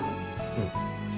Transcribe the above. うん。